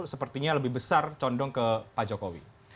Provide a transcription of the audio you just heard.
sepertinya lebih besar condong ke pak jokowi